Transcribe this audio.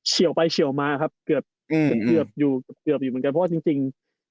เฉียวไปเฉียวมาครับเกือบเกือบอยู่เกือบอยู่เหมือนกันเพราะว่าจริง